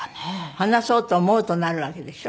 話そうと思うとなるわけでしょ？